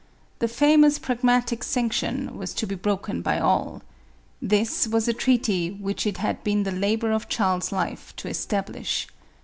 The famous Pragmatic Sanction was to be broken by all. This was a treaty which it had been the labor of Charles' life to establish.